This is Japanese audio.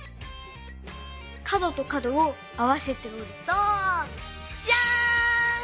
かどとかどをあわせておるとジャーン！